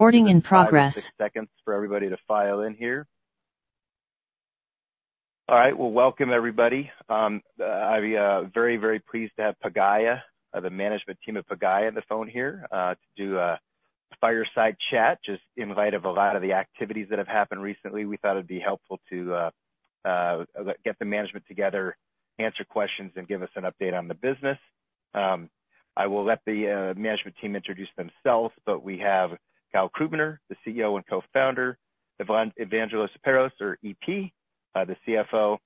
Recording in progress. Six seconds for everybody to file in here. All right, well, welcome everybody. I'm very, very pleased to have Pagaya, or the management team of Pagaya, on the phone here to do a fireside chat. Just in light of a lot of the activities that have happened recently, we thought it'd be helpful to get the management together, answer questions, and give us an update on the business. I will let the management team introduce themselves, but we have Gal Krubiner, the CEO and co-founder, Evangelos Perros, or EP, the CFO,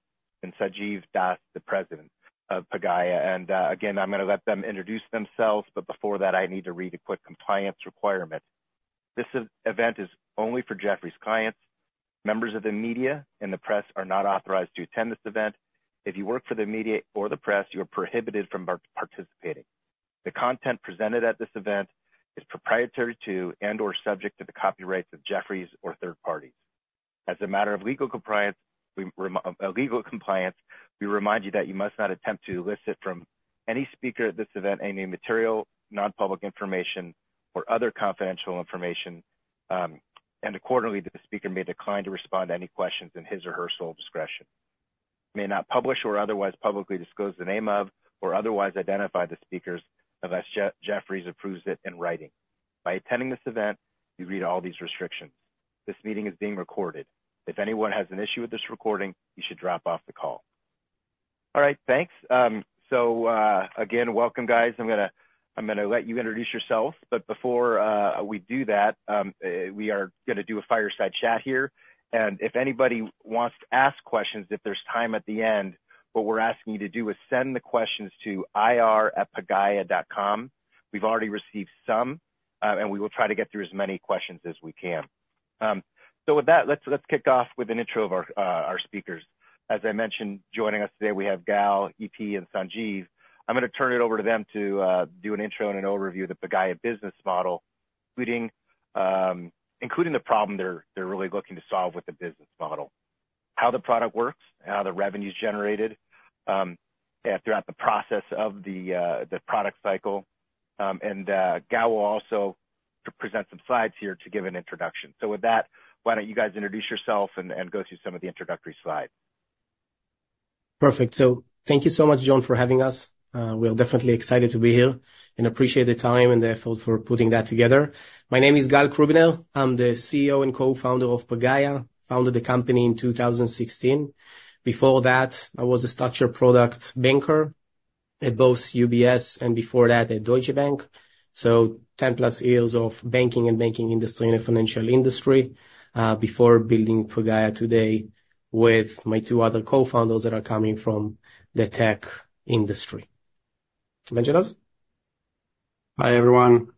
and Sanjiv Das, the president of Pagaya. And again, I'm gonna let them introduce themselves, but before that, I need to read a quick compliance requirement. This event is only for Jefferies clients. Members of the media and the press are not authorized to attend this event. If you work for the media or the press, you are prohibited from participating. The content presented at this event is proprietary to and/or subject to the copyrights of Jefferies or third parties. As a matter of legal compliance, we remind you that you must not attempt to elicit from any speaker at this event any material, non-public information or other confidential information, and accordingly, the speaker may decline to respond to any questions in his or her sole discretion. You may not publish or otherwise publicly disclose the name of or otherwise identify the speakers unless Jefferies approves it in writing. By attending this event, you agree to all these restrictions. This meeting is being recorded. If anyone has an issue with this recording, you should drop off the call. All right, thanks. So, again, welcome, guys. I'm gonna let you introduce yourself, but before we do that, we are gonna do a fireside chat here, and if anybody wants to ask questions, if there's time at the end, what we're asking you to do is send the questions to ir@pagaya.com. We've already received some, and we will try to get through as many questions as we can. So with that, let's kick off with an intro of our speakers. As I mentioned, joining us today, we have Gal, EP, and Sanjiv. I'm gonna turn it over to them to do an intro and an overview of the Pagaya business model, including the problem they're really looking to solve with the business model. How the product works and how the revenue is generated, and throughout the process of the product cycle, and Gal will also present some slides here to give an introduction. So with that, why don't you guys introduce yourself and go through some of the introductory slides? Perfect. So thank you so much, John, for having us. We are definitely excited to be here and appreciate the time and the effort for putting that together. My name is Gal Krubiner. I'm the CEO and co-founder of Pagaya, founded the company in 2016. Before that, I was a structured product banker at both UBS and before that, at Deutsche Bank. So 10+ years of banking and banking industry and the financial industry, before building Pagaya today with my two other co-founders that are coming from the tech industry. Evangelos? Hi, everyone.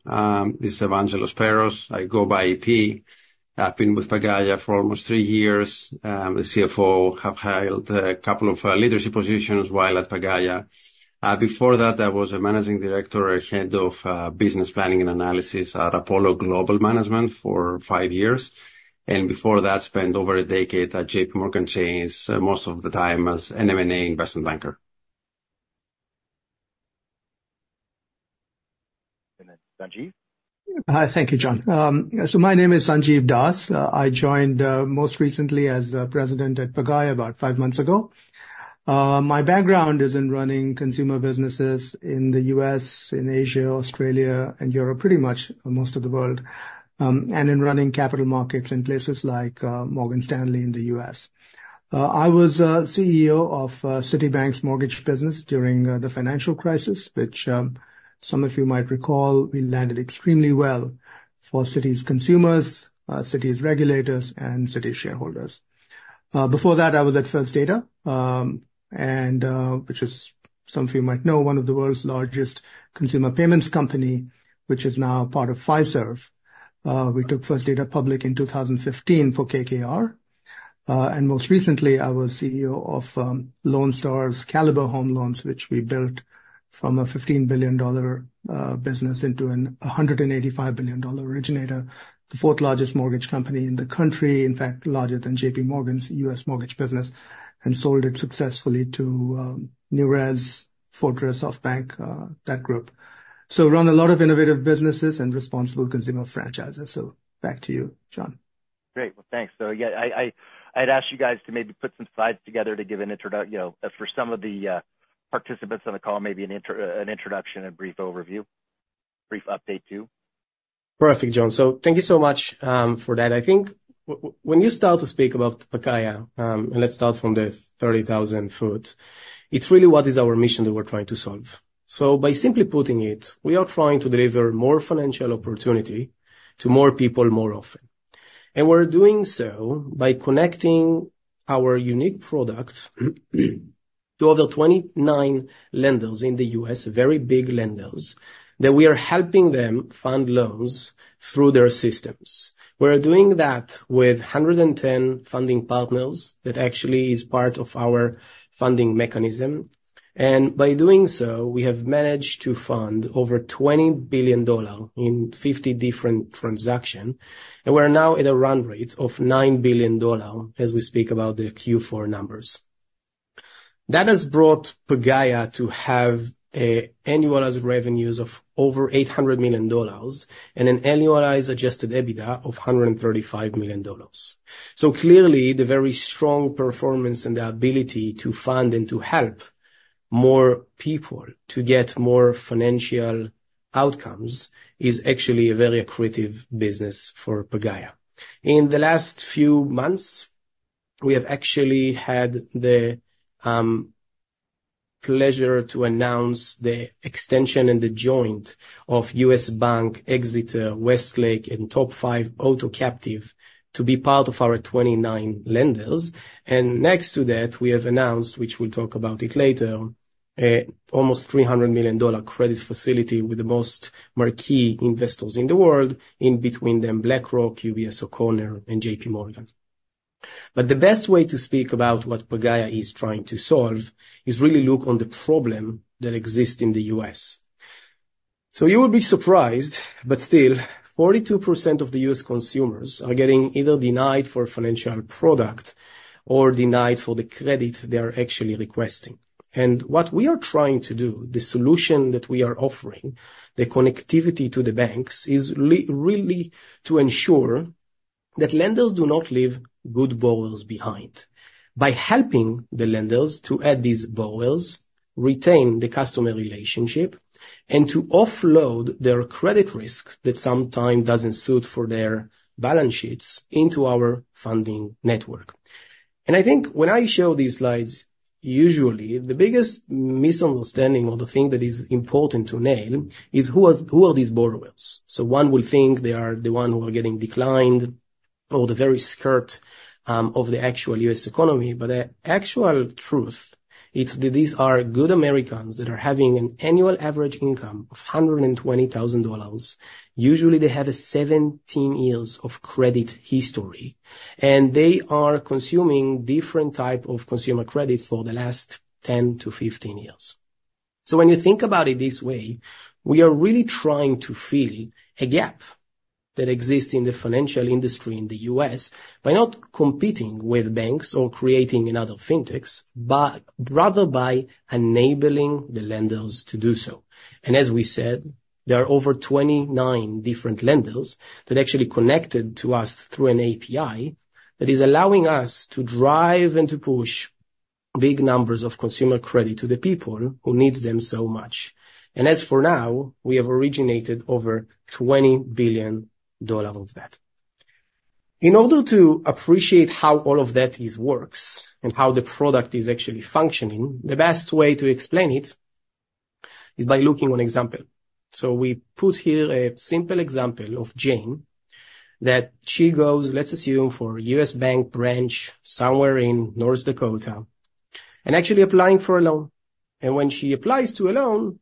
This is Evangelos Perros. I go by EP. I've been with Pagaya for almost three years, the CFO. Have held a couple of leadership positions while at Pagaya. Before that, I was a managing director and head of business planning and analysis at Apollo Global Management for five years, and before that, spent over a decade at JPMorgan Chase, most of the time as an M&A investment banker. And then Sanjiv? Hi. Thank you, John. So my name is Sanjiv Das. I joined most recently as president at Pagaya about five months ago. My background is in running consumer businesses in the U.S., in Asia, Australia, and Europe, pretty much most of the world, and in running capital markets in places like Morgan Stanley in the U.S. I was CEO of Citibank's mortgage business during the financial crisis, which some of you might recall, we landed extremely well for Citi's consumers, Citi's regulators, and Citi's shareholders. Before that, I was at First Data, which is, some of you might know, one of the world's largest consumer payments company, which is now part of Fiserv. We took First Data public in 2015 for KKR, and most recently, I was CEO of Lone Star's Caliber Home Loans, which we built from a $15 billion business into a $185 billion originator, the fourth largest mortgage company in the country, in fact, larger than JPMorgan's U.S. mortgage business, and sold it successfully to Newrez, Fortress, SoftBank, that group. So back to you, John. Great. Well, thanks. So again, I'd asked you guys to maybe put some slides together to give an introduction, you know, for some of the participants on the call, maybe an intro, an introduction and brief overview. Brief update, too. Perfect, John. So thank you so much for that. I think when you start to speak about Pagaya, let's start from the 30,000-foot, it's really what is our mission that we're trying to solve. So by simply putting it, we are trying to deliver more financial opportunity to more people, more often, and we're doing so by connecting our unique product to over 29 lenders in the U.S., very big lenders, that we are helping them fund loans through their systems. We're doing that with 110 funding partners that actually is part of our funding mechanism, and by doing so, we have managed to fund over $20 billion in 50 different transaction, and we're now at a run rate of $9 billion, as we speak about the Q4 numbers.... That has brought Pagaya to have an annualized revenues of over $800 million and an annualized adjusted EBITDA of $135 million. So clearly, the very strong performance and the ability to fund and to help more people to get more financial outcomes is actually a very accretive business for Pagaya. In the last few months, we have actually had the pleasure to announce the extension and the joint of U.S. Bank, Exeter, Westlake, and top five auto captive to be part of our 29 lenders. And next to that, we have announced, which we'll talk about it later, almost $300 million credit facility with the most marquee investors in the world, in between them, BlackRock, UBS O'Connor, and JPMorgan Chase. But the best way to speak about what Pagaya is trying to solve is really look on the problem that exists in the U.S. So you will be surprised, but still, 42% of the U.S. consumers are getting either denied for a financial product or denied for the credit they are actually requesting. And what we are trying to do, the solution that we are offering, the connectivity to the banks, is really to ensure that lenders do not leave good borrowers behind. By helping the lenders to add these borrowers, retain the customer relationship, and to offload their credit risk, that sometimes doesn't suit for their balance sheets, into our funding network. And I think when I show these slides, usually the biggest misunderstanding or the thing that is important to nail is who is, who are these borrowers? So one will think they are the one who are getting declined or the very skirt of the actual U.S. economy. But the actual truth is that these are good Americans that are having an annual average income of $120,000. Usually, they have 17 years of credit history, and they are consuming different type of consumer credit for the last 10-15 years. So when you think about it this way, we are really trying to fill a gap that exists in the financial industry in the U.S. by not competing with banks or creating another fintechs, but rather by enabling the lenders to do so. As we said, there are over 29 different lenders that actually connected to us through an API, that is allowing us to drive and to push big numbers of consumer credit to the people who needs them so much. As for now, we have originated over $20 billion of that. In order to appreciate how all of that is works and how the product is actually functioning, the best way to explain it is by looking on example. We put here a simple example of Jane, that she goes, let's assume, to a U.S. Bank branch, somewhere in North Dakota, and actually applying for a loan. When she applies to a loan,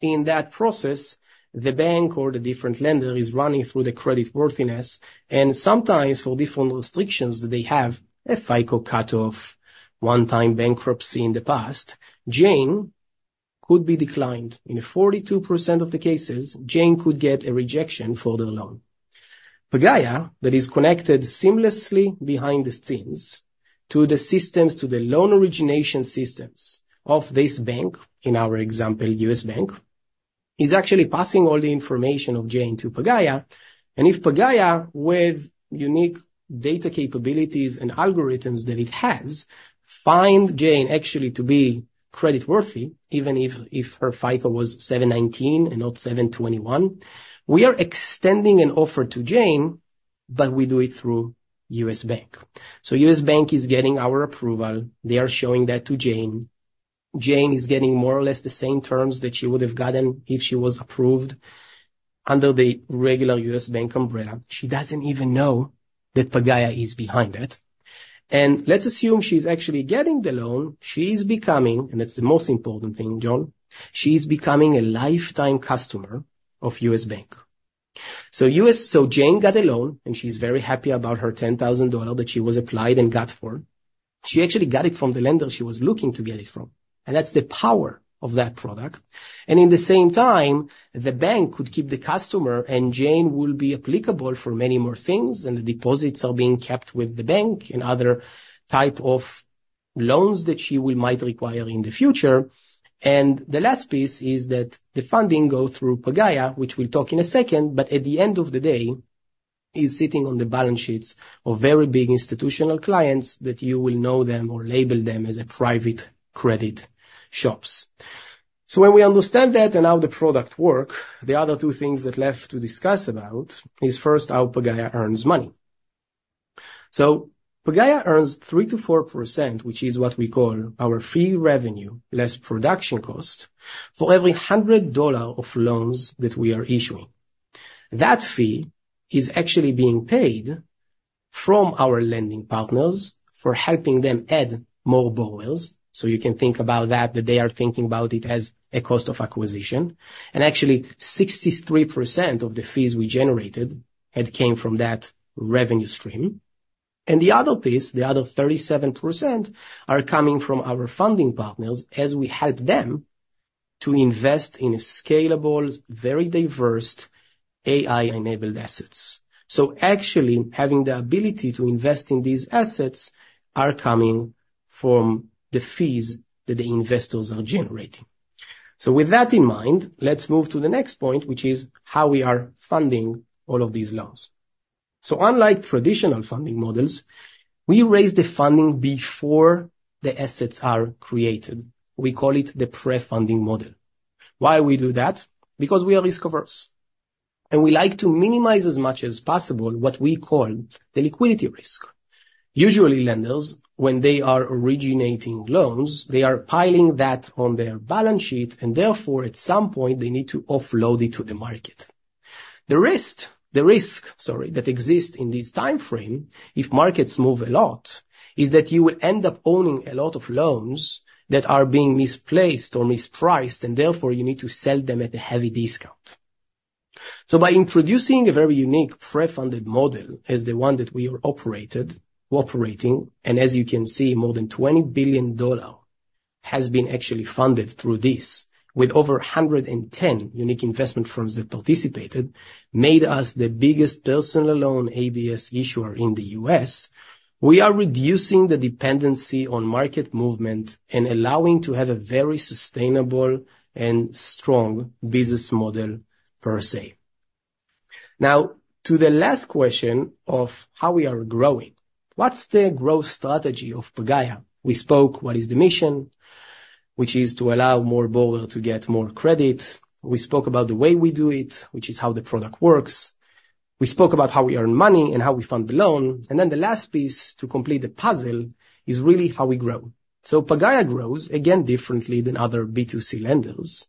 in that process, the bank or the different lender is running through the creditworthiness, and sometimes for different restrictions that they have, a FICO cutoff, one-time bankruptcy in the past, Jane could be declined. In 42% of the cases, Jane could get a rejection for the loan. Pagaya, that is connected seamlessly behind the scenes to the systems, to the loan origination systems of this bank, in our example, U.S. Bank, is actually passing all the information of Jane to Pagaya. And if Pagaya, with unique data capabilities and algorithms that it has, finds Jane actually to be creditworthy, even if her FICO was 719 and not 721, we are extending an offer to Jane, but we do it through U.S. Bank. So U.S. Bank is getting our approval. They are showing that to Jane. Jane is getting more or less the same terms that she would have gotten if she was approved under the regular U.S. Bank umbrella. She doesn't even know that Pagaya is behind it. And let's assume she's actually getting the loan, she's becoming... And that's the most important thing, John, she's becoming a lifetime customer of U.S. Bank. So Jane got a loan, and she's very happy about her $10,000 that she was applied and got for. She actually got it from the lender she was looking to get it from, and that's the power of that product. And in the same time, the bank could keep the customer, and Jane will be applicable for many more things, and the deposits are being kept with the bank and other type of loans that she will, might require in the future. The last piece is that the funding go through Pagaya, which we'll talk in a second, but at the end of the day, is sitting on the balance sheets of very big institutional clients that you will know them or label them as a private credit shops. So when we understand that and how the product work, the other two things that left to discuss about is, first, how Pagaya earns money. So Pagaya earns 3%-4%, which is what we call our fee revenue, less production cost, for every $100 of loans that we are issuing. That fee is actually being paid from our lending partners for helping them add more borrowers. So you can think about that, that they are thinking about it as a cost of acquisition. And actually, 63% of the fees we generated had came from that revenue stream. And the other piece, the other 37%, are coming from our funding partners as we help them to invest in a scalable, very diverse AI-enabled assets. So actually, having the ability to invest in these assets are coming from the fees that the investors are generating. So with that in mind, let's move to the next point, which is how we are funding all of these loans. So unlike traditional funding models, we raise the funding before the assets are created. We call it the pre-funding model. Why we do that? Because we are risk-averse, and we like to minimize as much as possible what we call the liquidity risk. Usually, lenders, when they are originating loans, they are piling that on their balance sheet, and therefore, at some point, they need to offload it to the market. The risk, sorry, that exists in this time frame, if markets move a lot, is that you will end up owning a lot of loans that are being misplaced or mispriced, and therefore you need to sell them at a heavy discount. So by introducing a very unique pre-funded model as the one that we are operating, and as you can see, more than $20 billion has been actually funded through this, with over 110 unique investment firms that participated, made us the biggest personal loan ABS issuer in the U.S. We are reducing the dependency on market movement and allowing to have a very sustainable and strong business model per se. Now, to the last question of how we are growing, what's the growth strategy of Pagaya? We spoke what is the mission, which is to allow more borrower to get more credit. We spoke about the way we do it, which is how the product works. We spoke about how we earn money and how we fund the loan. Then the last piece to complete the puzzle is really how we grow. Pagaya grows, again, differently than other B2C lenders.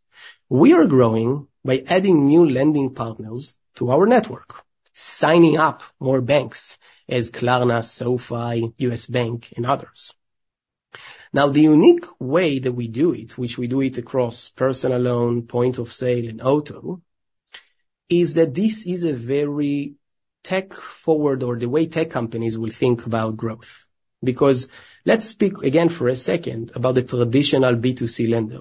We are growing by adding new lending partners to our network, signing up more banks as Klarna, SoFi, U.S. Bank, and others. Now, the unique way that we do it, which we do it across personal loan, point of sale, and auto, is that this is a very tech-forward or the way tech companies will think about growth. Because let's speak again for a second about the traditional B2C lender.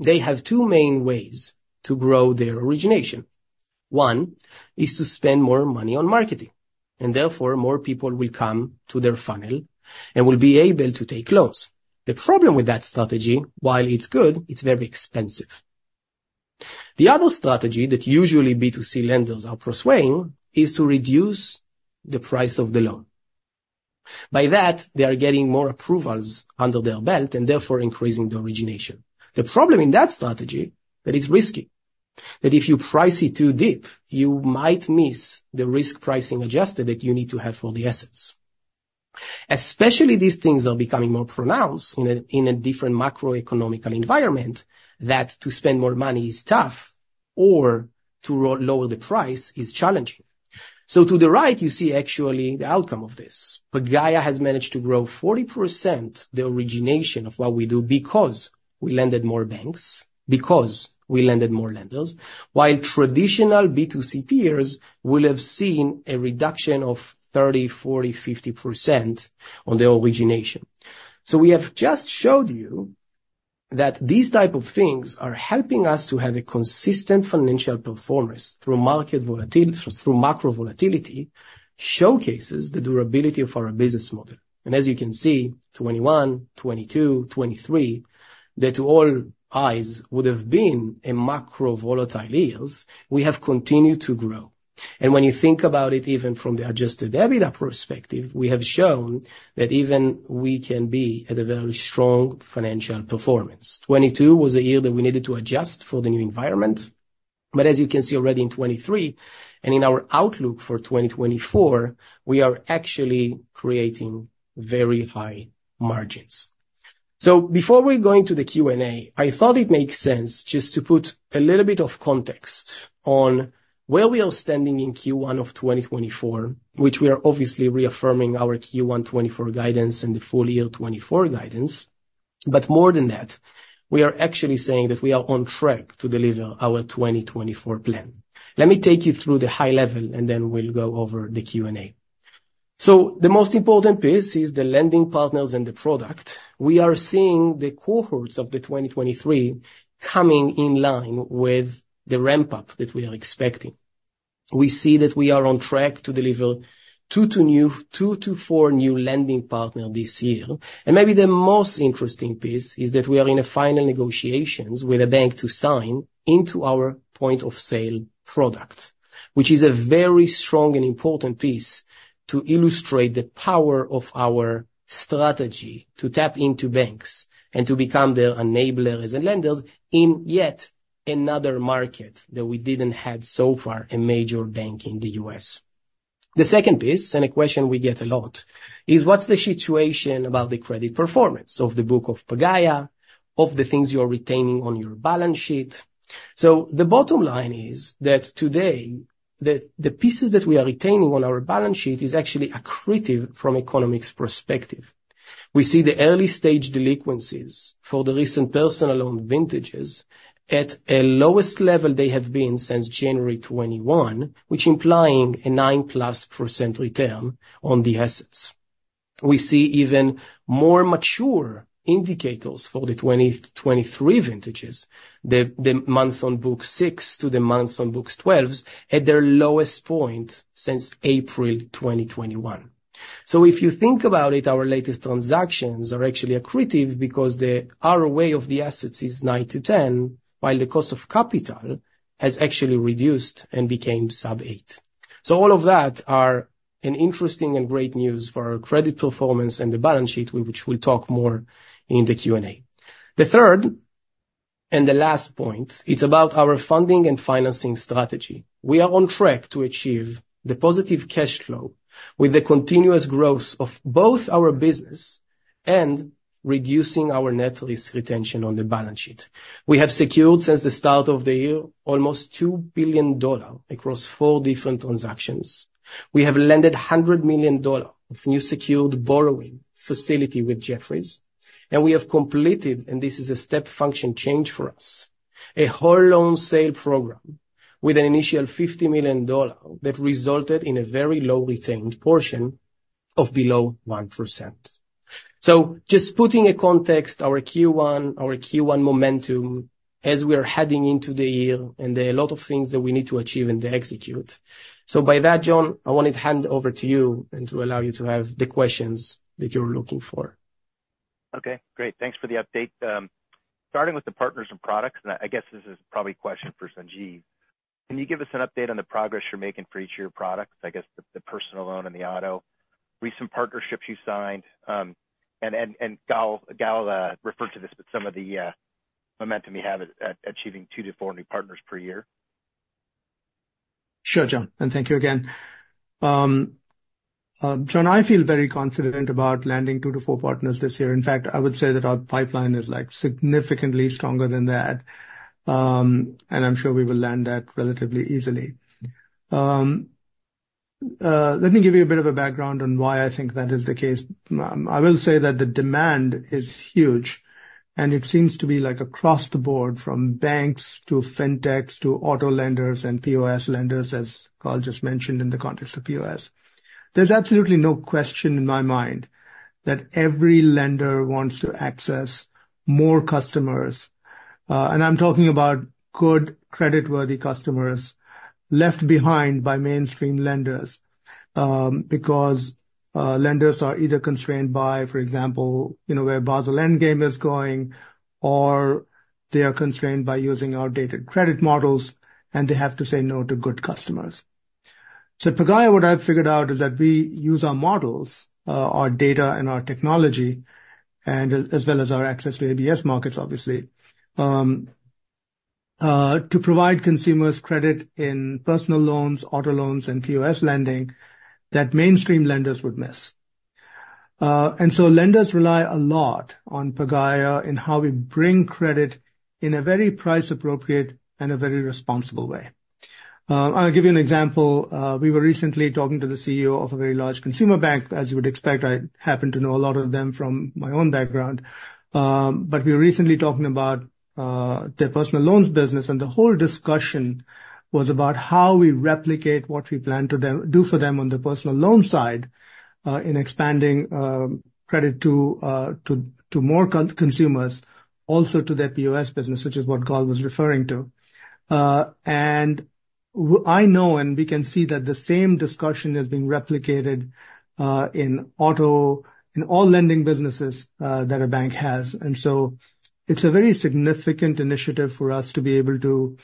They have two main ways to grow their origination. One is to spend more money on marketing, and therefore more people will come to their funnel and will be able to take loans. The problem with that strategy, while it's good, it's very expensive. The other strategy that usually B2C lenders are pursuing is to reduce the price of the loan. By that, they are getting more approvals under their belt, and therefore increasing the origination. The problem in that strategy, that it's risky, that if you price it too deep, you might miss the risk pricing adjusted that you need to have for the assets. Especially these things are becoming more pronounced in a different macroeconomic environment, that to spend more money is tough or to lower the price is challenging. So to the right, you see actually the outcome of this. Pagaya has managed to grow 40% the origination of what we do because we landed more banks, because we landed more lenders, while traditional B2C peers will have seen a reduction of 30%, 40%, 50% on the origination. So we have just showed you that these type of things are helping us to have a consistent financial performance through market volatility, through macro volatility, showcases the durability of our business model. And as you can see, 2021, 2022, 2023, that to all eyes would have been macro volatile years, we have continued to grow. And when you think about it, even from the Adjusted EBITDA perspective, we have shown that even we can be at a very strong financial performance. 2022 was a year that we needed to adjust for the new environment, but as you can see already in 2023 and in our outlook for 2024, we are actually creating very high margins. So before we go into the Q&A, I thought it makes sense just to put a little bit of context on where we are standing in Q1 of 2024, which we are obviously reaffirming our Q1 2024 guidance and the full year 2024 guidance. But more than that, we are actually saying that we are on track to deliver our 2024 plan. Let me take you through the high level, and then we'll go over the Q&A. So the most important piece is the lending partners and the product. We are seeing the cohorts of the 2023 coming in line with the ramp-up that we are expecting. We see that we are on track to deliver 2-4 new lending partners this year. Maybe the most interesting piece is that we are in final negotiations with a bank to sign into our point of sale product, which is a very strong and important piece to illustrate the power of our strategy to tap into banks and to become their enablers and lenders in yet another market that we didn't have so far, a major bank in the U.S. The second piece, and a question we get a lot, is what's the situation about the credit performance of the book of Pagaya, of the things you are retaining on your balance sheet? So the bottom line is that today, the pieces that we are retaining on our balance sheet is actually accretive from economics perspective. We see the early-stage delinquencies for the recent personal loan vintages at a lowest level they have been since January 2021, which implying a 9%+ return on the assets. We see even more mature indicators for the 2023 vintages, the months on book 6 to the months on books 12 at their lowest point since April 2021. So if you think about it, our latest transactions are actually accretive because the ROA of the assets is 9%-10%, while the cost of capital has actually reduced and became sub 8%. So all of that are an interesting and great news for our credit performance and the balance sheet, which we'll talk more in the Q&A. The third and the last point, it's about our funding and financing strategy. We are on track to achieve the positive cash flow with the continuous growth of both our business and reducing our net risk retention on the balance sheet. We have secured, since the start of the year, almost $2 billion across four different transactions. We have lent $100 million of new secured borrowing facility with Jefferies, and we have completed, and this is a step function change for us, a whole loan sale program with an initial $50 million that resulted in a very low retained portion of below 1%. So, just putting in context, our Q1, our Q1 momentum as we are heading into the year, and there are a lot of things that we need to achieve and to execute. So, by that, John, I wanted to hand over to you and to allow you to have the questions that you're looking for. Okay, great. Thanks for the update. Starting with the partners and products, and I guess this is probably a question for Sanjiv. Can you give us an update on the progress you're making for each of your products, I guess, the personal loan and the auto, recent partnerships you signed, and Gal referred to this, but some of the momentum you have at achieving 2-4 new partners per year? Sure, John, and thank you again. John, I feel very confident about landing 2-4 partners this year. In fact, I would say that our pipeline is, like, significantly stronger than that, and I'm sure we will land that relatively easily. Let me give you a bit of a background on why I think that is the case. I will say that the demand is huge, and it seems to be like across the board, from banks to fintechs to auto lenders and POS lenders, as Gal just mentioned in the context of POS. There's absolutely no question in my mind that every lender wants to access more customers, and I'm talking about good, creditworthy customers left behind by mainstream lenders, because lenders are either constrained by, for example, you know, where Basel Endgame is going, or they are constrained by using our data credit models, and they have to say no to good customers. So at Pagaya, what I've figured out is that we use our models, our data and our technology, and as, as well as our access to ABS markets, obviously, to provide consumers credit in personal loans, auto loans, and POS lending that mainstream lenders would miss. And so lenders rely a lot on Pagaya in how we bring credit in a very price-appropriate and a very responsible way. I'll give you an example. We were recently talking to the CEO of a very large consumer bank. As you would expect, I happen to know a lot of them from my own background. But we were recently talking about their personal loans business, and the whole discussion was about how we replicate what we plan to them, do for them on the personal loan side, in expanding credit to more consumers, also to their POS business, which is what Gal was referring to. And I know and we can see that the same discussion is being replicated in auto, in all lending businesses that a bank has. And so it's a very significant initiative for us to be able to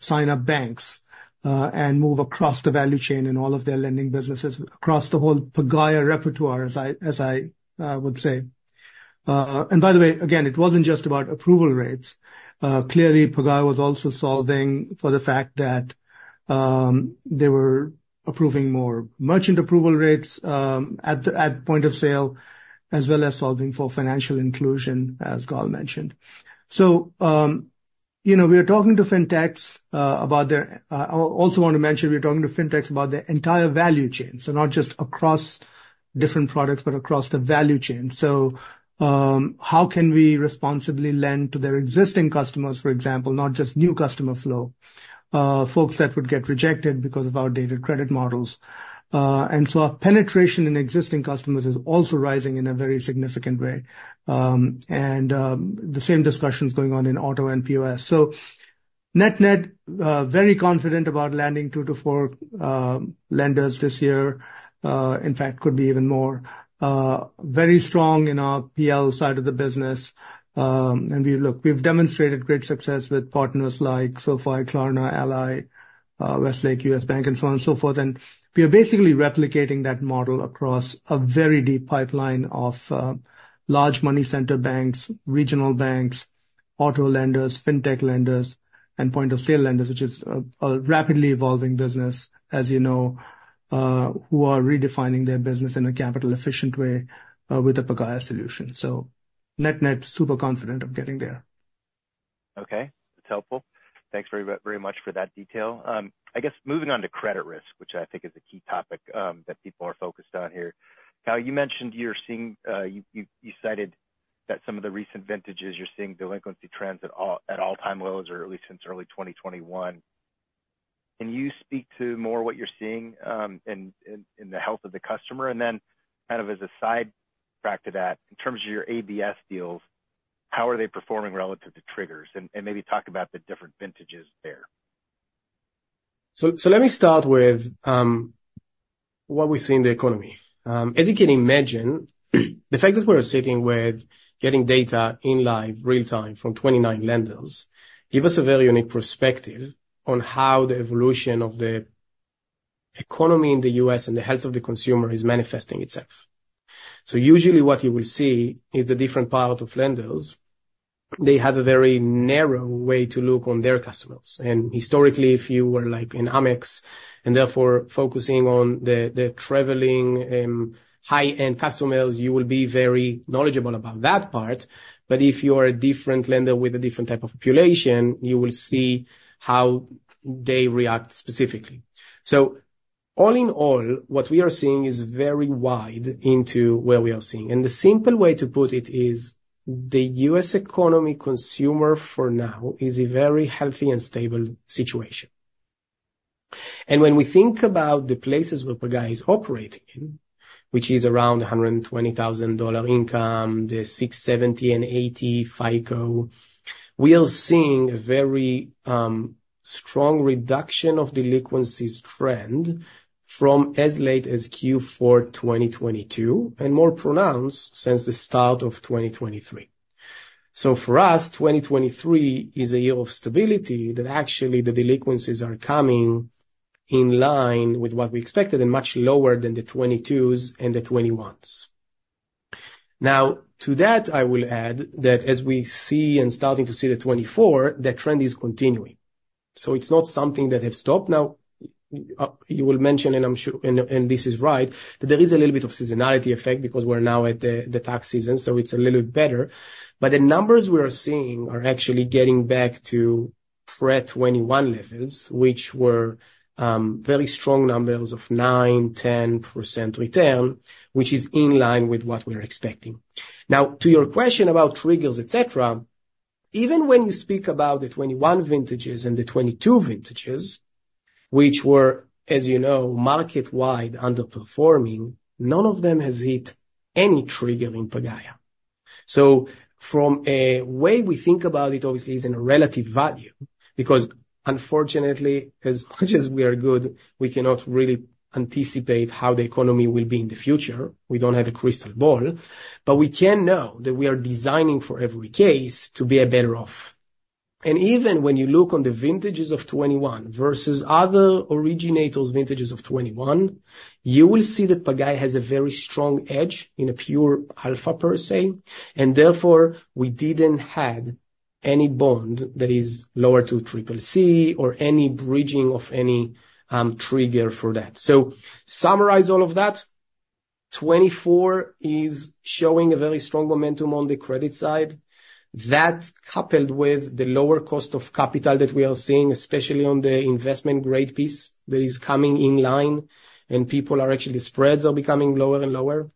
sign up banks and move across the value chain in all of their lending businesses across the whole Pagaya repertoire, as I would say. And by the way, again, it wasn't just about approval rates. Clearly, Pagaya was also solving for the fact that they were approving more merchant approval rates at point of sale, as well as solving for financial inclusion, as Gal mentioned. So, you know, we are talking to fintechs about their—I also want to mention we're talking to fintechs about their entire value chain, so not just across different products, but across the value chain. So, how can we responsibly lend to their existing customers, for example, not just new customer flow, folks that would get rejected because of our data credit models? And so our penetration in existing customers is also rising in a very significant way. And, the same discussion is going on in auto and POS. So net-net, very confident about landing 2-4 lenders this year. In fact, could be even more, very strong in our PL side of the business. And we've, look, we've demonstrated great success with partners like SoFi, Klarna, Ally, Westlake, U.S. Bank, and so on and so forth. And we are basically replicating that model across a very deep pipeline of large money center banks, regional banks, auto lenders, fintech lenders, and point-of-sale lenders, which is a rapidly evolving business, as you know, who are redefining their business in a capital-efficient way, with the Pagaya solution. So net-net, super confident of getting there. Okay, that's helpful. Thanks very much for that detail. I guess moving on to credit risk, which I think is a key topic that people are focused on here. Gal, you mentioned you're seeing, you cited that some of the recent vintages, you're seeing delinquency trends at all, at all-time lows or at least since early 2021. Can you speak to more what you're seeing in the health of the customer? And then kind of as a side fact to that, in terms of your ABS deals, how are they performing relative to triggers? And maybe talk about the different vintages there. So, let me start with what we see in the economy. As you can imagine, the fact that we're sitting with getting data in live, real time from 29 lenders, give us a very unique perspective on how the evolution of the economy in the US and the health of the consumer is manifesting itself. So usually what you will see is the different part of lenders. They have a very narrow way to look on their customers, and historically, if you were like in Amex, and therefore focusing on the traveling high-end customers, you will be very knowledgeable about that part, but if you are a different lender with a different type of population, you will see how they react specifically. So all in all, what we are seeing is very wide into where we are seeing. And the simple way to put it is the U.S. economy consumer for now is a very healthy and stable situation. And when we think about the places where Pagaya is operating, which is around a $120,000 income, the 670-800 FICO, we are seeing a very strong reduction of delinquencies trend from as late as Q4 2022, and more pronounced since the start of 2023. So for us, 2023 is a year of stability that actually the delinquencies are coming in line with what we expected and much lower than the 2022s and the 2021s. Now, to that, I will add that as we see and starting to see the 2024, the trend is continuing. So it's not something that have stopped. Now, you will mention, and I'm sure... This is right, that there is a little bit of seasonality effect because we're now at the tax season, so it's a little bit better. But the numbers we are seeing are actually getting back to pre-2021 levels, which were very strong numbers of 9%-10% return, which is in line with what we're expecting. Now, to your question about triggers, et cetera, even when you speak about the 2021 vintages and the 2022 vintages, which were, as you know, market-wide underperforming, none of them has hit any trigger in Pagaya. So from a way we think about it, obviously, is in a relative value, because unfortunately, as much as we are good, we cannot really anticipate how the economy will be in the future. We don't have a crystal ball. But we can know that we are designing for every case to be a better off. And even when you look on the vintages of 2021 versus other originators, vintages of 2021, you will see that Pagaya has a very strong edge in a pure alpha per se, and therefore, we didn't had any bond that is lower to triple C or any bridging of any, trigger for that. So summarize all of that, 2024 is showing a very strong momentum on the credit side. That, coupled with the lower cost of capital that we are seeing, especially on the investment grade piece, that is coming in line, and people are actually spreads are becoming lower and lower,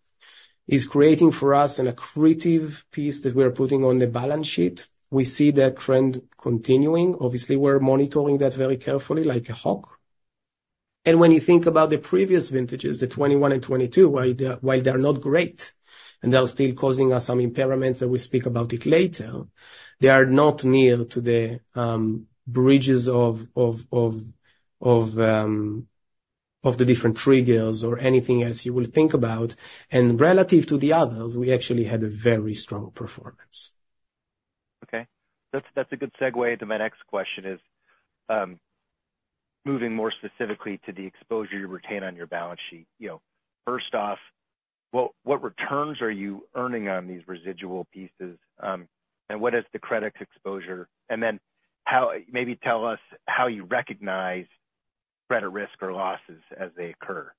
is creating for us an accretive piece that we are putting on the balance sheet. We see that trend continuing. Obviously, we're monitoring that very carefully, like a hawk. When you think about the previous vintages, the 2021 and 2022, while they're not great, and they're still causing us some impairments, and we'll speak about it later, they are not near the breaches of the different triggers or anything else you will think about. Relative to the others, we actually had a very strong performance. Okay. That's a good segue to my next question, moving more specifically to the exposure you retain on your balance sheet. You know, first off, what returns are you earning on these residual pieces? And what is the credit exposure? And then how... Maybe tell us how you recognize credit risk or losses as they occur.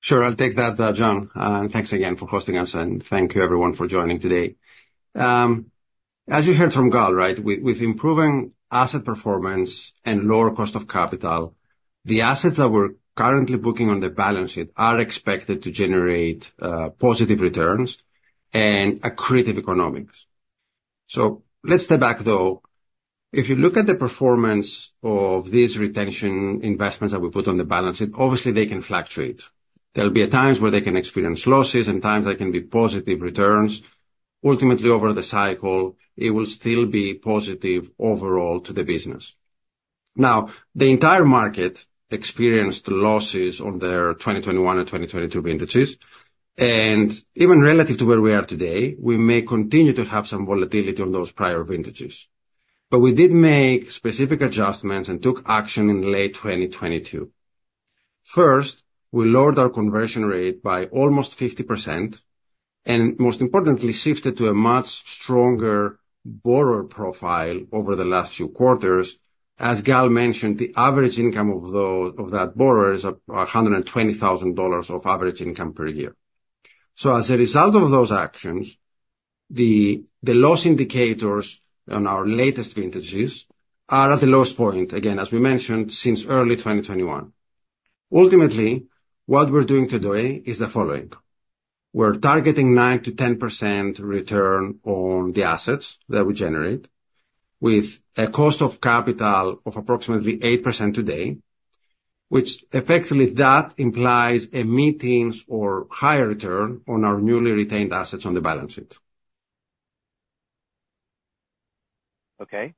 Sure, I'll take that, John, and thanks again for hosting us, and thank you, everyone, for joining today. As you heard from Gal, right, with, with improving asset performance and lower cost of capital, the assets that we're currently booking on the balance sheet are expected to generate positive returns and accretive economics. So let's step back, though. If you look at the performance of these retention investments that we put on the balance sheet, obviously they can fluctuate. There'll be times where they can experience losses and times they can be positive returns. Ultimately, over the cycle, it will still be positive overall to the business. Now, the entire market experienced losses on their 2021 and 2022 vintages, and even relative to where we are today, we may continue to have some volatility on those prior vintages. But we did make specific adjustments and took action in late 2022. First, we lowered our conversion rate by almost 50%, and most importantly, shifted to a much stronger borrower profile over the last few quarters. As Gal mentioned, the average income of that borrower is $120,000 of average income per year. So as a result of those actions, the loss indicators on our latest vintages are at the lowest point, again, as we mentioned, since early 2021. Ultimately, what we're doing today is the following: We're targeting 9%-10% return on the assets that we generate, with a cost of capital of approximately 8% today, which effectively, that implies a mid-teens or higher return on our newly retained assets on the balance sheet. Okay.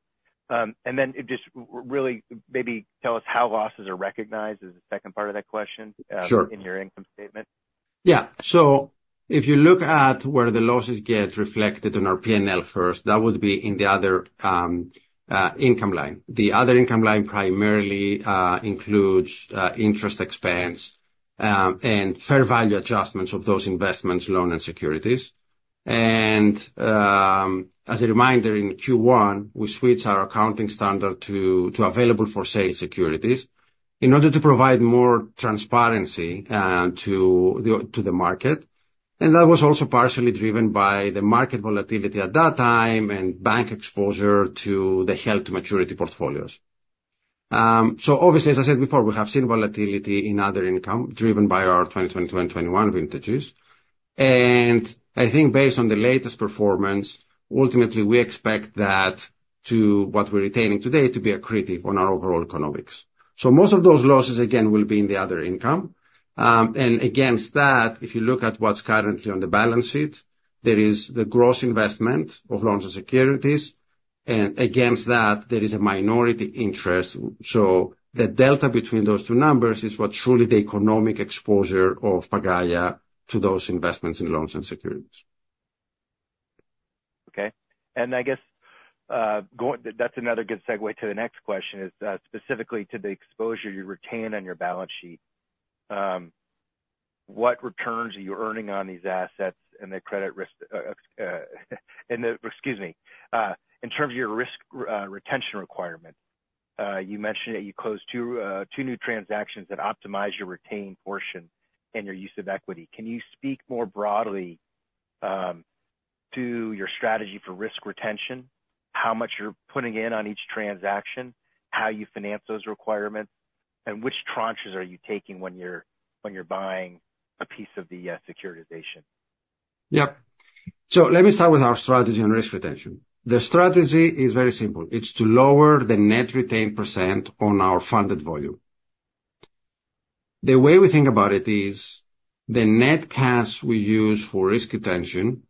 And then just really, maybe tell us how losses are recognized, is the second part of that question. Sure. in your income statement. Yeah. So if you look at where the losses get reflected on our P&L first, that would be in the other income line. The other income line primarily includes interest expense and fair value adjustments of those investments, loan, and securities. And as a reminder, in Q1, we switched our accounting standard to available-for-sale securities in order to provide more transparency to the market, and that was also partially driven by the market volatility at that time and bank exposure to the held-to-maturity portfolios. So obviously, as I said before, we have seen volatility in other income driven by our 2020-2021 vintages. And I think based on the latest performance, ultimately, we expect that to what we're retaining today, to be accretive on our overall economics. Most of those losses, again, will be in the other income. And against that, if you look at what's currently on the balance sheet, there is the gross investment of loans and securities, and against that, there is a minority interest, so the delta between those two numbers is what's truly the economic exposure of Pagaya to those investments in loans and securities. Okay. And I guess, that's another good segue to the next question, is specifically to the exposure you retain on your balance sheet. What returns are you earning on these assets and the credit risk, and the... Excuse me. In terms of your risk, retention requirement, you mentioned that you closed two new transactions that optimize your retained portion and your use of equity. Can you speak more broadly, to your strategy for risk retention, how much you're putting in on each transaction, how you finance those requirements, and which tranches are you taking when you're, when you're buying a piece of the, securitization? Yep. So let me start with our strategy on risk retention. The strategy is very simple: It's to lower the net retained percent on our funded volume. The way we think about it is, the net cash we use for risk retention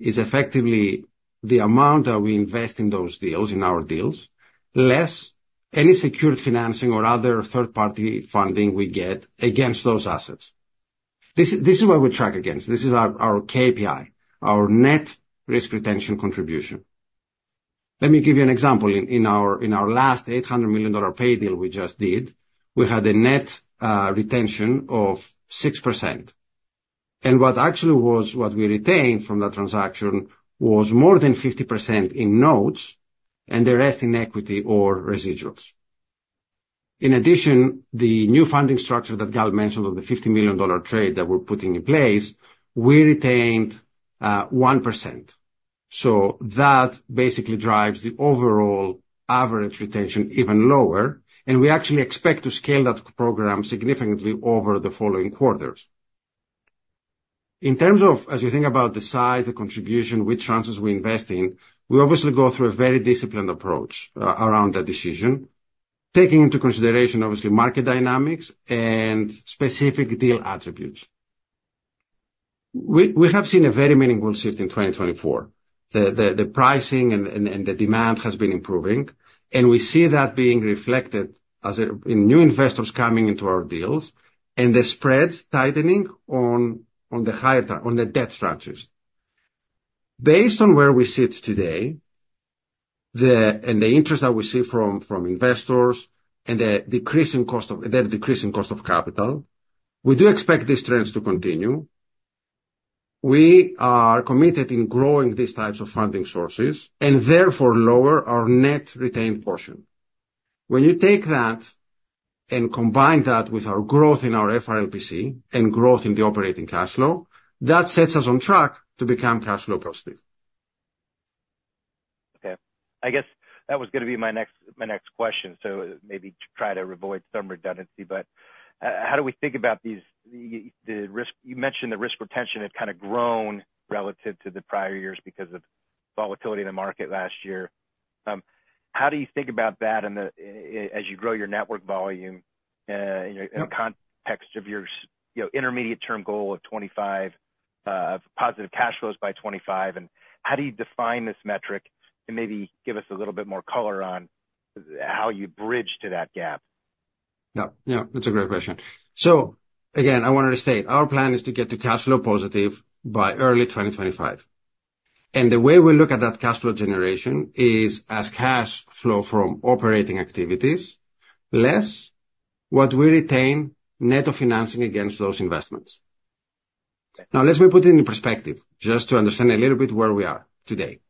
is effectively the amount that we invest in those deals, in our deals, less any secured financing or other third-party funding we get against those assets. This is what we track against. This is our KPI, our net risk retention contribution. Let me give you an example. In our last $800 million Pagaya deal we just did, we had a net retention of 6%. And what actually was, what we retained from that transaction was more than 50% in notes and the rest in equity or residuals. In addition, the new funding structure that Gal mentioned, of the $50 million trade that we're putting in place, we retained 1%. So that basically drives the overall average retention even lower, and we actually expect to scale that program significantly over the following quarters. In terms of, as you think about the size, the contribution, which tranches we invest in, we obviously go through a very disciplined approach around that decision, taking into consideration, obviously, market dynamics and specific deal attributes. We have seen a very meaningful shift in 2024. The pricing and the demand has been improving, and we see that being reflected as in new investors coming into our deals, and the spreads tightening on the higher term on the debt structures. Based on where we sit today, the... The interest that we see from investors and the decreasing cost of capital, we do expect these trends to continue. We are committed in growing these types of funding sources and therefore lower our net retained portion. When you take that and combine that with our growth in our FRLPC and growth in the operating cash flow, that sets us on track to become cash flow positive. Okay. I guess that was gonna be my next question, so maybe try to avoid some redundancy. But, how do we think about these, the risk. You mentioned the risk retention has kind of grown relative to the prior years because of volatility in the market last year. How do you think about that and as you grow your network volume, in the context of your, you know, intermediate term goal of 25 positive cash flows by 2025, and how do you define this metric? And maybe give us a little bit more color on how you bridge to that gap. Yeah, yeah, that's a great question. So again, I want to restate, our plan is to get to cash flow positive by early 2025, and the way we look at that cash flow generation is as cash flow from operating activities, less what we retain net of financing against those investments. Okay. Now, let me put it in perspective, just to understand a little bit where we are today.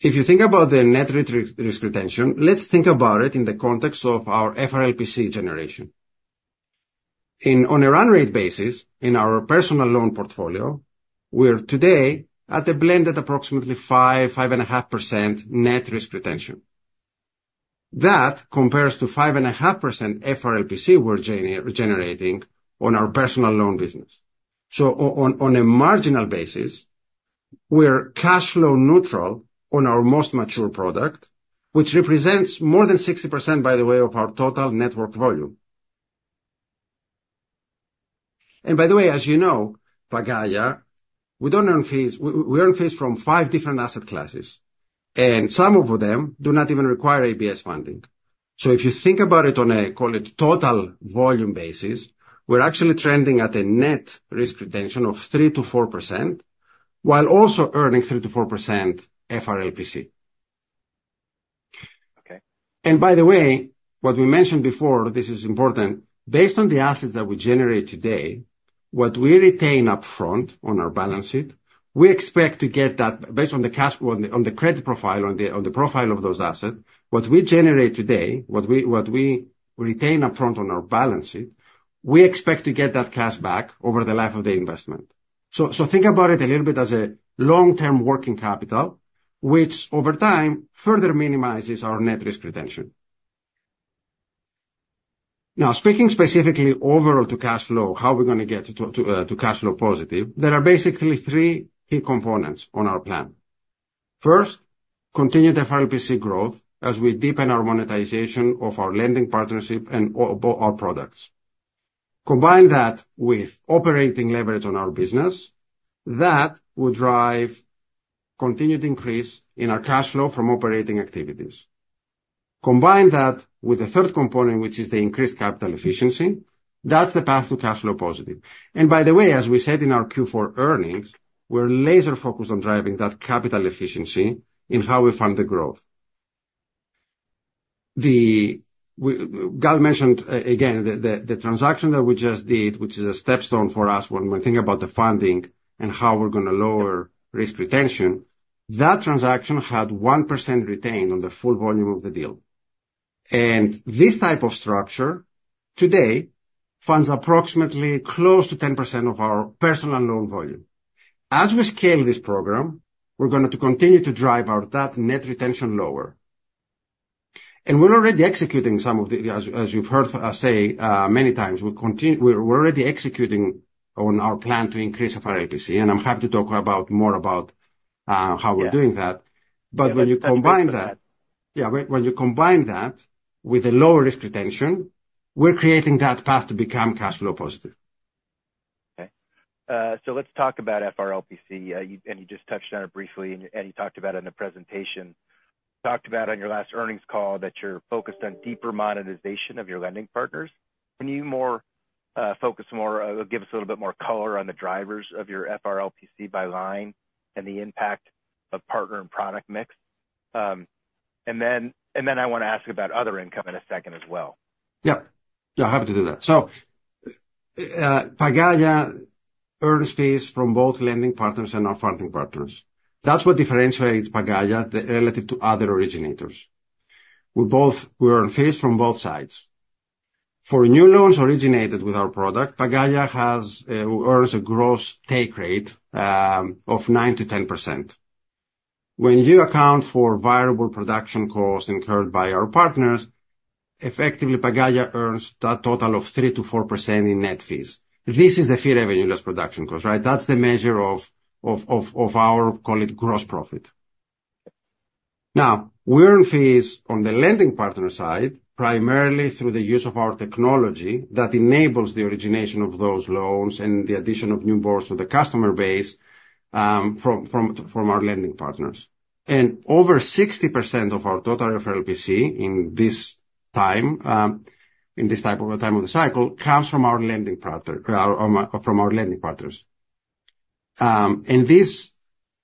If you think about the net risk retention, let's think about it in the context of our FRLPC generation. On a run rate basis, in our personal loan portfolio, we're today at a blended approximately 5-5.5% net risk retention. That compares to 5.5% FRLPC we're generating on our personal loan business. So on a marginal basis, we're cash flow neutral on our most mature product, which represents more than 60%, by the way, of our total network volume. And by the way, as you know, Pagaya, we don't earn fees, we earn fees from five different asset classes, and some of them do not even require ABS funding. If you think about it on a, call it, total volume basis, we're actually trending at a net risk retention of 3%-4%, while also earning 3%-4% FRLPC. Okay. And by the way, what we mentioned before, this is important. Based on the assets that we generate today, what we retain upfront on our balance sheet, we expect to get that cash back based on the cash flow, on the credit profile, on the profile of those assets, over the life of the investment. So, think about it a little bit as a long-term working capital, which over time, further minimizes our net risk retention. Now, speaking specifically overall to cash flow, how we're gonna get to cash flow positive, there are basically three key components on our plan. First, continued FRLPC growth as we deepen our monetization of our lending partnership and our products. Combine that with operating leverage on our business, that will drive continued increase in our cash flow from operating activities. Combine that with the third component, which is the increased capital efficiency, that's the path to cash flow positive. And by the way, as we said in our Q4 earnings, we're laser focused on driving that capital efficiency in how we fund the growth. Gal mentioned again the transaction that we just did, which is a stepping stone for us when we think about the funding and how we're gonna lower risk retention. That transaction had 1% retained on the full volume of the deal. And this type of structure, today, funds approximately close to 10% of our personal loan volume. As we scale this program, we're going to continue to drive our net retention lower. And we're already executing some of the... As you've heard us say many times, we're already executing on our plan to increase FRLPC, and I'm happy to talk more about. Yeah. how we're doing that. But when you combine that with a lower risk retention, we're creating that path to become cash flow positive. Okay. So let's talk about FRLPC. You just touched on it briefly, and you talked about it in the presentation. You talked about, on your last earnings call, that you're focused on deeper monetization of your lending partners. Can you focus more, give us a little bit more color on the drivers of your FRLPC by line and the impact of partner and product mix? And then I want to ask about other income in a second as well. Yeah. Yeah, happy to do that. So, Pagaya earns fees from both lending partners and our funding partners. That's what differentiates Pagaya relative to other originators. We're both we earn fees from both sides. For new loans originated with our product, Pagaya earns a gross take rate of 9%-10%. When you account for variable production costs incurred by our partners, effectively, Pagaya earns a total of 3%-4% in net fees. This is the fee revenue less production cost, right? That's the measure of our, call it, gross profit. Now, we earn fees on the lending partner side, primarily through the use of our technology that enables the origination of those loans and the addition of new borrowers to the customer base from our lending partners. And over 60% of our total FRLPC in this time, in this type of a time of the cycle, comes from our lending partner, from our lending partners. And this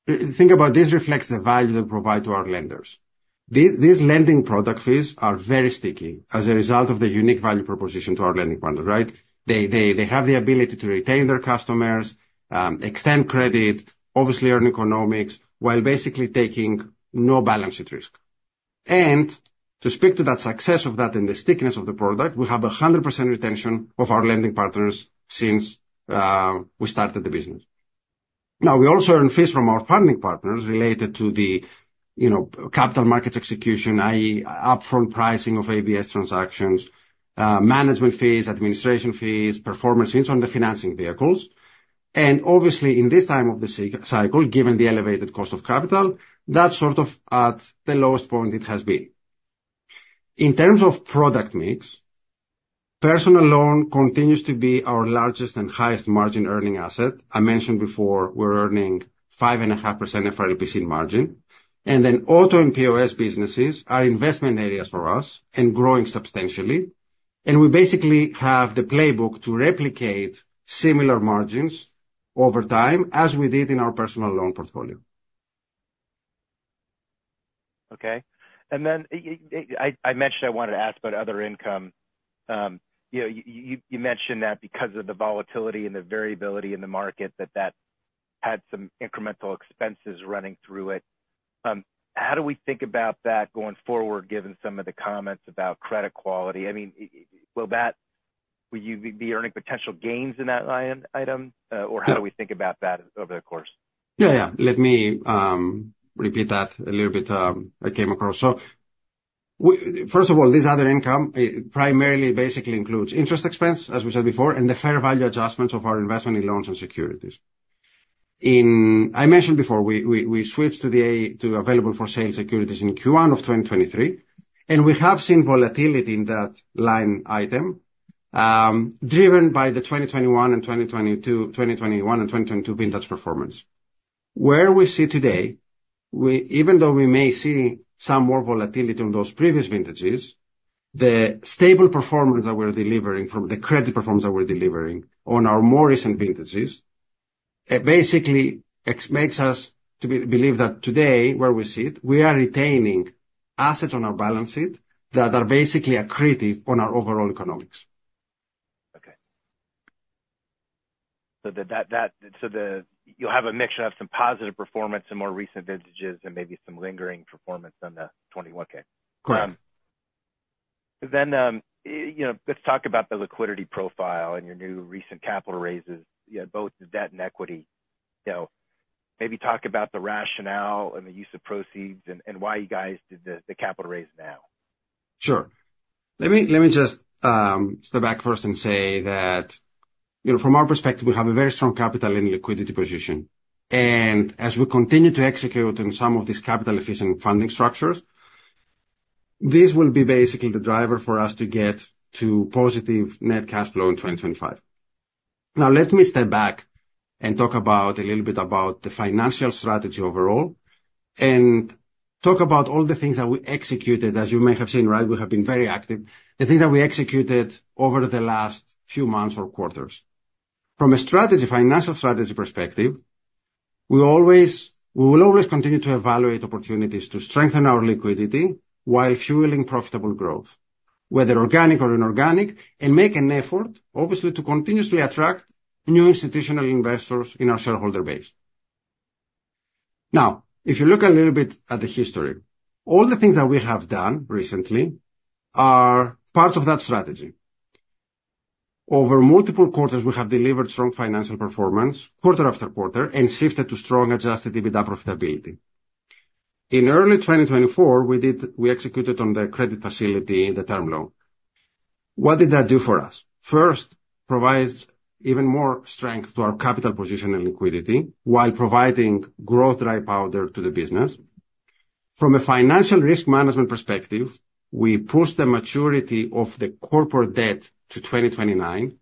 reflects the value that we provide to our lenders. These lending product fees are very sticky as a result of the unique value proposition to our lending partners, right? They have the ability to retain their customers, extend credit, obviously earn economics, while basically taking no balance at risk. And to speak to that success of that and the stickiness of the product, we have 100% retention of our lending partners since we started the business. Now, we also earn fees from our funding partners related to the, you know, capital markets execution, i.e., upfront pricing of ABS transactions, management fees, administration fees, performance fees on the financing vehicles. And obviously, in this time of the cycle, given the elevated cost of capital, that's sort of at the lowest point it has been. In terms of product mix, personal loan continues to be our largest and highest margin earning asset. I mentioned before, we're earning 5.5% FRLPC in margin, and then auto and POS businesses are investment areas for us and growing substantially. And we basically have the playbook to replicate similar margins over time, as we did in our personal loan portfolio. Okay. And then, I mentioned I wanted to ask about other income. You know, you mentioned that because of the volatility and the variability in the market, that had some incremental expenses running through it. How do we think about that going forward, given some of the comments about credit quality? I mean, will you be earning potential gains in that line item, or how do we think about that over the course? Yeah, yeah. Let me repeat that a little bit. I came across. So, first of all, this other income, it primarily basically includes interest expense, as we said before, and the fair value adjustments of our investment in loans and securities. I mentioned before, we switched to the available-for-sale securities in Q1 of 2023, and we have seen volatility in that line item, driven by the 2021 and 2022, 2021 and 2022 vintage performance. Where we see today, even though we may see some more volatility on those previous vintages, the stable performance that we're delivering from the credit performance that we're delivering on our more recent vintages, it basically makes us believe that today, where we sit, we are retaining assets on our balance sheet that are basically accretive on our overall economics. Okay. So you'll have a mixture of some positive performance in more recent vintages and maybe some lingering performance on the 2021 Q. Correct. Then, you know, let's talk about the liquidity profile and your new recent capital raises, yeah, both the debt and equity. You know, maybe talk about the rationale and the use of proceeds and why you guys did the capital raise now. Sure. Let me just step back first and say that, you know, from our perspective, we have a very strong capital and liquidity position, and as we continue to execute on some of these capital-efficient funding structures, this will be basically the driver for us to get to positive net cash flow in 2025. Now, let me step back and talk about a little bit about the financial strategy overall, and talk about all the things that we executed, as you may have seen, right? We have been very active, the things that we executed over the last few months or quarters. From a strategy, financial strategy perspective, we always, we will always continue to evaluate opportunities to strengthen our liquidity while fueling profitable growth, whether organic or inorganic, and make an effort, obviously, to continuously attract new institutional investors in our shareholder base. Now, if you look a little bit at the history, all the things that we have done recently are part of that strategy. Over multiple quarters, we have delivered strong financial performance, quarter after quarter, and shifted to strong Adjusted EBITDA profitability. In early 2024, we did, we executed on the credit facility, the term loan. What did that do for us? First, provides even more strength to our capital position and liquidity while providing growth dry powder to the business. From a financial risk management perspective, we pushed the maturity of the corporate debt to 2029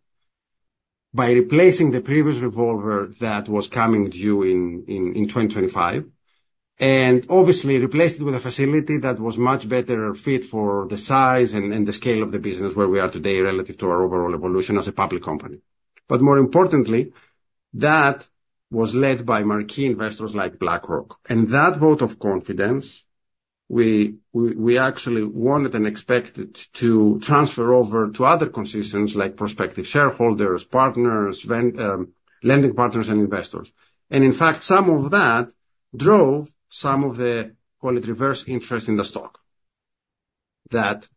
by replacing the previous revolver that was coming due in 2025, and obviously replaced it with a facility that was much better fit for the size and the scale of the business where we are today relative to our overall evolution as a public company. But more importantly, that was led by marquee investors like BlackRock. And that vote of confidence, we actually wanted and expected to transfer over to other constituents, like prospective shareholders, partners, vendors, lending partners, and investors. And in fact, some of that drove some of the, call it, reverse interest in the stock, that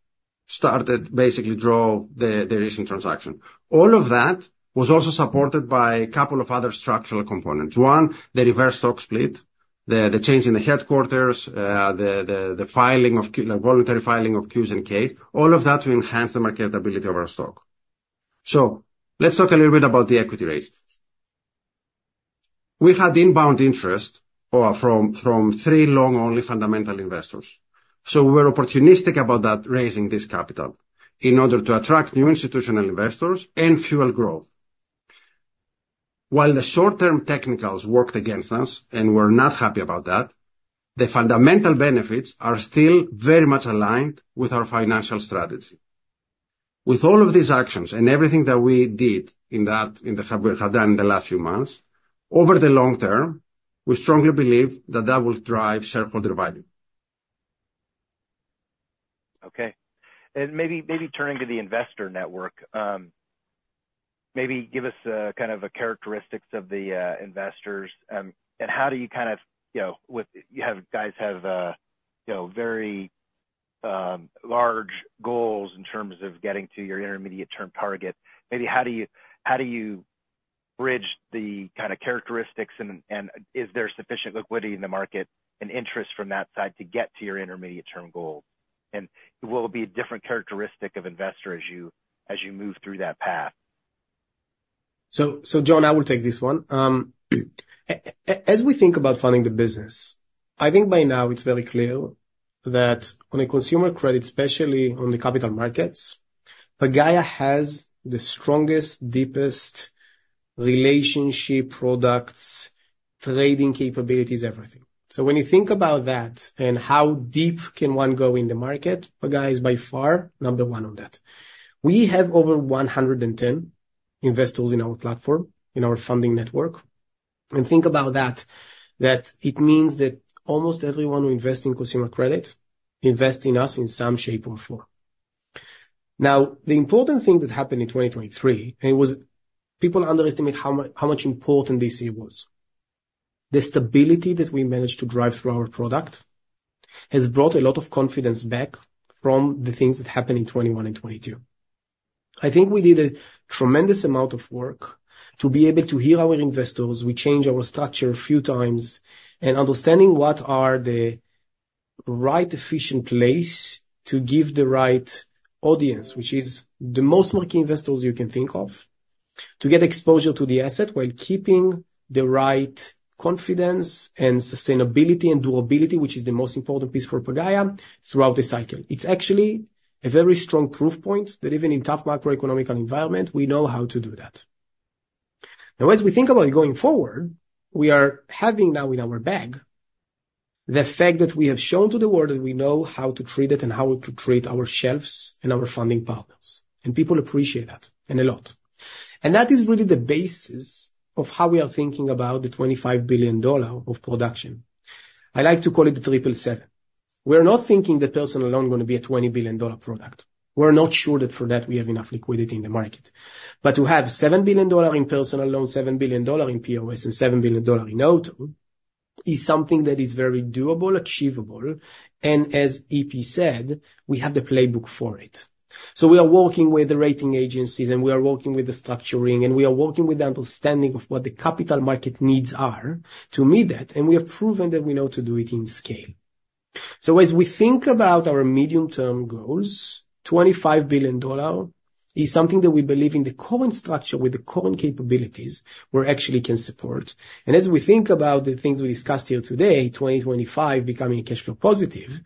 started basically to draw the recent transaction. All of that was also supported by a couple of other structural components. One, the reverse stock split, the change in the headquarters, the filing of, like, voluntary filing of Qs and Ks, all of that to enhance the marketability of our stock. So let's talk a little bit about the equity raise. We had inbound interest from three long-only fundamental investors, so we were opportunistic about that, raising this capital, in order to attract new institutional investors and fuel growth. While the short-term technicals worked against us, and we're not happy about that, the fundamental benefits are still very much aligned with our financial strategy. With all of these actions and everything that we have done in the last few months, over the long term, we strongly believe that that will drive shareholder value. Okay. And maybe, maybe turning to the investor network, maybe give us, kind of a characteristics of the, investors, and how do you kind of, you know, with... You have, guys have, you know, very, large goals in terms of getting to your intermediate-term target. Maybe how do you, how do you bridge the kind of characteristics, and, and is there sufficient liquidity in the market and interest from that side to get to your intermediate-term goal? And will it be a different characteristic of investor as you, as you move through that path? So, John, I will take this one. As we think about funding the business, I think by now it's very clear that on a consumer credit, especially on the capital markets, Pagaya has the strongest, deepest relationship products, trading capabilities, everything. So when you think about that, and how deep can one go in the market, Pagaya is by far number one on that. We have over 110 investors in our platform, in our funding network. And think about that, that it means that almost everyone who invest in consumer credit, invest in us in some shape or form... Now, the important thing that happened in 2023, and it was, people underestimate how much important this year was. The stability that we managed to drive through our product has brought a lot of confidence back from the things that happened in 2021 and 2022. I think we did a tremendous amount of work to be able to hear our investors. We changed our structure a few times, and understanding what are the right, efficient place to give the right audience, which is the most market investors you can think of, to get exposure to the asset while keeping the right confidence and sustainability and durability, which is the most important piece for Pagaya, throughout the cycle. It's actually a very strong proof point that even in tough macroeconomic environment, we know how to do that. Now, as we think about going forward, we are having now in our bag, the fact that we have shown to the world that we know how to treat it and how to treat ourselves and our funding partners, and people appreciate that, and a lot. That is really the basis of how we are thinking about the $25 billion of production. I like to call it the triple seven. We're not thinking the personal loan is gonna be a $20 billion product. We're not sure that for that we have enough liquidity in the market. But to have $7 billion in personal loan, $7 billion in POS, and $7 billion in auto, is something that is very doable, achievable, and as EP said, we have the playbook for it. We are working with the rating agencies, and we are working with the structuring, and we are working with the understanding of what the capital market needs are to meet that, and we have proven that we know to do it in scale. As we think about our medium-term goals, $25 billion is something that we believe in the current structure, with the current capabilities, we actually can support. As we think about the things we discussed here today, 2025, becoming cash flow positive,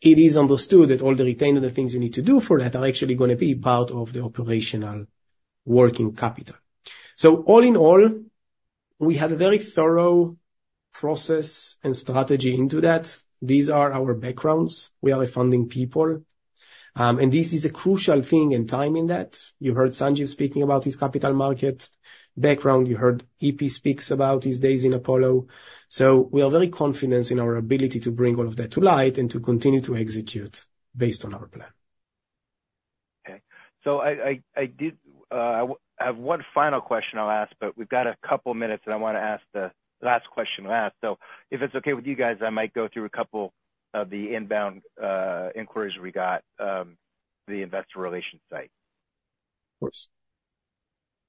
it is understood that all the retainer, the things you need to do for that, are actually gonna be part of the operational working capital. All in all, we have a very thorough process and strategy into that. These are our backgrounds. We are a funding people, and this is a crucial thing and time in that. You heard Sanjiv speaking about his capital market background, you heard EP speaks about his days in Apollo. So we are very confident in our ability to bring all of that to light and to continue to execute based on our plan. Okay. So I have one final question I'll ask, but we've got a couple minutes, and I want to ask the last question to ask. So if it's okay with you guys, I might go through a couple of the inbound inquiries we got, the investor relations site. Of course.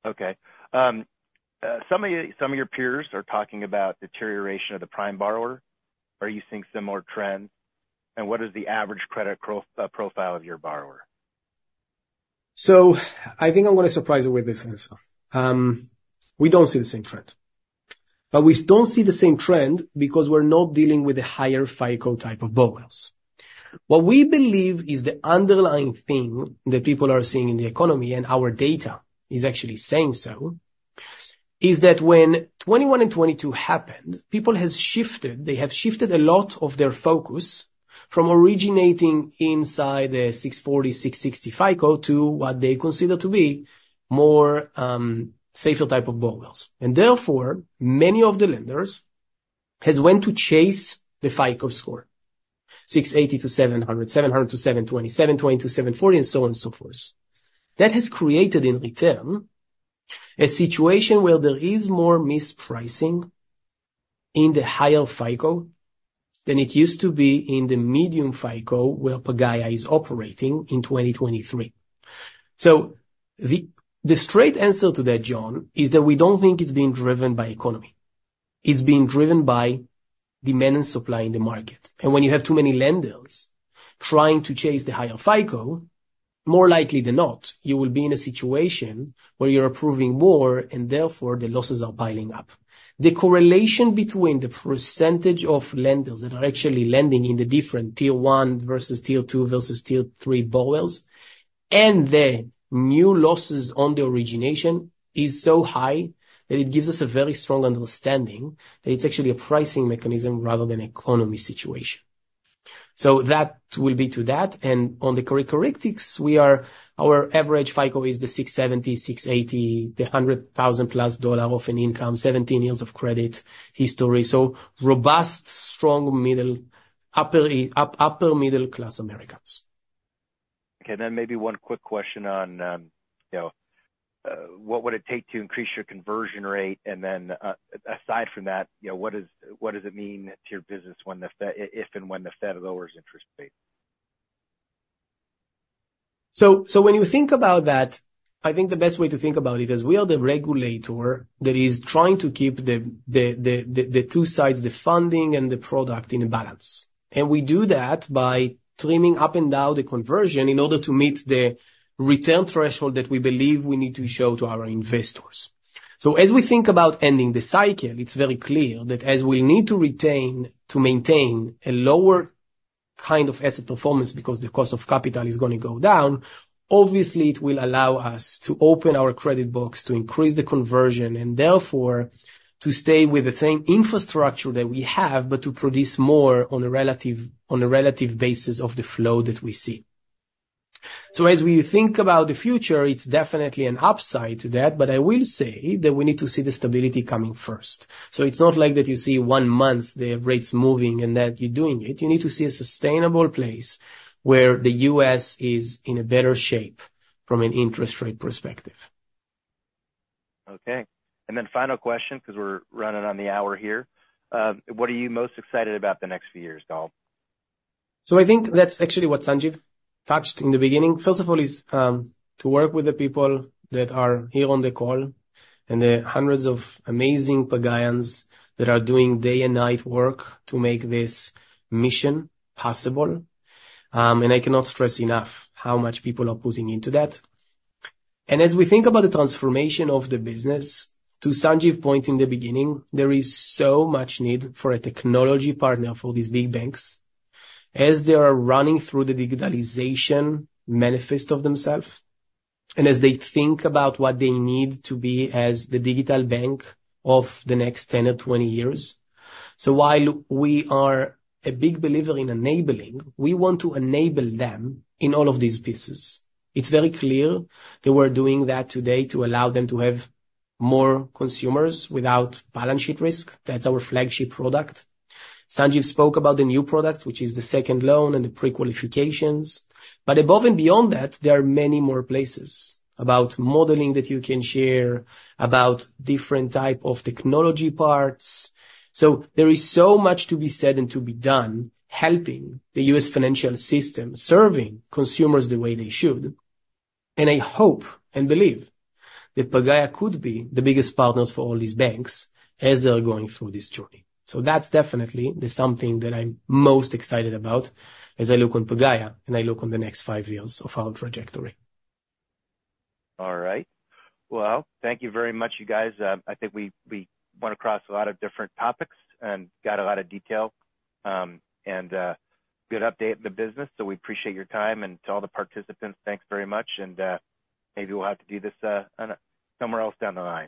Okay. Some of your peers are talking about deterioration of the prime borrower. Are you seeing similar trends? And what is the average credit profile of your borrower? So I think I'm gonna surprise you with this answer. We don't see the same trend, but we don't see the same trend because we're not dealing with a higher FICO type of borrowers. What we believe is the underlying thing that people are seeing in the economy, and our data is actually saying so, is that when 2021 and 2022 happened, people has shifted. They have shifted a lot of their focus from originating inside a 640, 660 FICO to what they consider to be more, safer type of borrowers. And therefore, many of the lenders has went to chase the FICO score, 680-700, 700-720, 720-740, and so on and so forth. That has created, in return, a situation where there is more mispricing in the higher FICO than it used to be in the medium FICO, where Pagaya is operating in 2023. So the straight answer to that, John, is that we don't think it's being driven by economy. It's being driven by demand and supply in the market. And when you have too many lenders trying to chase the higher FICO, more likely than not, you will be in a situation where you're approving more, and therefore, the losses are piling up. The correlation between the percentage of lenders that are actually lending in the different tier one versus tier two versus tier three borrowers, and the new losses on the origination, is so high that it gives us a very strong understanding that it's actually a pricing mechanism rather than an economy situation. So that will be to that, and on the characteristics, we are—our average FICO is 670-680, the $100,000-plus dollar of an income, 17 years of credit history, so robust, strong, upper middle class Americans. Okay, then maybe one quick question on, you know, what would it take to increase your conversion rate? And then, aside from that, you know, what is... What does it mean to your business when the Fed, if and when the Fed lowers interest rates? So when you think about that, I think the best way to think about it is, we are the regulator that is trying to keep the two sides, the funding and the product, in a balance. And we do that by trimming up and down the conversion in order to meet the return threshold that we believe we need to show to our investors. So as we think about ending the cycle, it's very clear that as we need to retain, to maintain a lower kind of asset performance, because the cost of capital is gonna go down, obviously, it will allow us to open our credit box to increase the conversion, and therefore, to stay with the same infrastructure that we have, but to produce more on a relative basis of the flow that we see. So as we think about the future, it's definitely an upside to that, but I will say that we need to see the stability coming first. So it's not like that you see one month, the rate's moving and that you're doing it. You need to see a sustainable place where the U.S. is in a better shape from an interest rate perspective.... Okay, and then final question, because we're running on the hour here. What are you most excited about the next few years, Gal? So I think that's actually what Sanjiv touched in the beginning. First of all, is to work with the people that are here on the call and the hundreds of amazing Pagayans that are doing day and night work to make this mission possible. And I cannot stress enough how much people are putting into that. And as we think about the transformation of the business, to Sanjiv's point in the beginning, there is so much need for a technology partner for these big banks as they are running through the digitalization manifest of themselves, and as they think about what they need to be as the digital bank of the next 10 or 20 years. So while we are a big believer in enabling, we want to enable them in all of these pieces. It's very clear that we're doing that today to allow them to have more consumers without balance sheet risk. That's our flagship product. Sanjiv spoke about the new product, which is the second loan and the pre-qualifications. But above and beyond that, there are many more places about modeling that you can share, about different type of technology parts. So there is so much to be said and to be done, helping the U.S. financial system, serving consumers the way they should. And I hope and believe that Pagaya could be the biggest partners for all these banks as they are going through this journey. So that's definitely the something that I'm most excited about as I look on Pagaya, and I look on the next five years of our trajectory. All right. Well, thank you very much, you guys. I think we went across a lot of different topics and got a lot of detail, and good update in the business. So we appreciate your time, and to all the participants, thanks very much, and maybe we'll have to do this on a somewhere else down the line.